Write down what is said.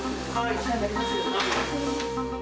お世話になります。